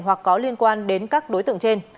hoặc có liên quan đến các đối tượng trên